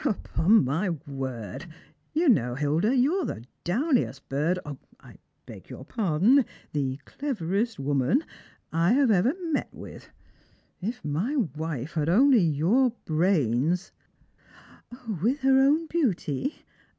" Upon ray word, you know, Hilda, you're the downiest bird — I beg your pardon, the cleverest woman I ever met with. If mv wife had ocly your brains "" With her own beauty